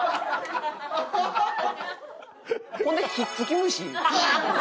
ほんで「ひっつき虫」。